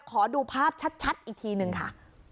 ขอดูภาพชัดอีกทีนึงค่ะ